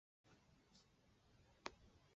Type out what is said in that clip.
子卜怜吉歹。